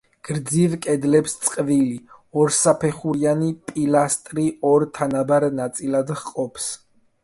გრძივ კედლებს წყვილი, ორსაფეხურიანი პილასტრი ორ თანაბარ ნაწილად ჰყოფს.